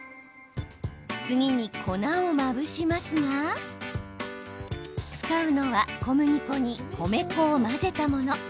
次に粉をまぶしますが使うのは小麦粉に米粉を混ぜたもの。